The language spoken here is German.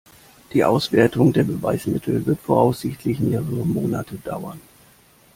Die Auswertung der Beweismittel wird voraussichtlich mehrere Monate andauern.